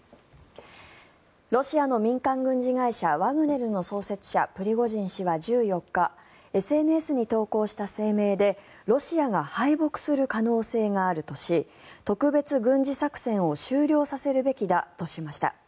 ロシアの民間軍事会社ワグネルの創設者、プリゴジン氏は１４日ＳＮＳに投稿した声明でロシアが敗北する可能性があるとし特別軍事作戦を終了させるべきだとしました。